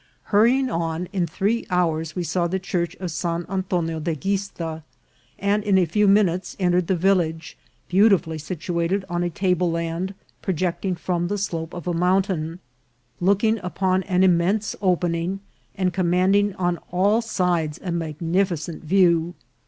Hurrying on, in three hours we saw the Church of San Antonio de Guista, and in a few min utes entered the village, beautifully situated on a table land projecting from the slope of a mountain, look ing upon an immense opening, andx commanding on all sides a magnificent view.